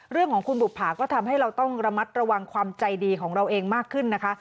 เรื่องของคุณบุภาก็ทำให้เราต้องระมัดระวังความใจดีของเราเองมากขึ้นนะคะ